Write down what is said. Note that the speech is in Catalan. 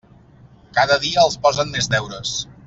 Cada dia els posen més deures.